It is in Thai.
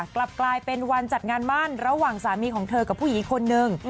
กลับกลายเป็นวันจัดงานบ้านระหว่างสามีของเธอกับผู้หญิงอีกคนนึง